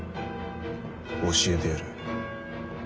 教えてやる。